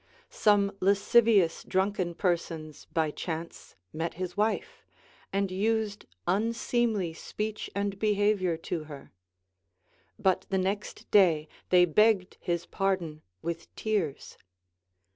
Some lascivious drunken persons by chance met his Avife, and used un seemly speech and behavior to her ; but the next day they beo o cd his pardon with tears.